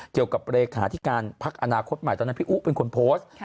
เกี่ยวกับเลขาธิการพักอนาคตใหม่ตอนนั้นพี่อุ๊เป็นคนโพสต์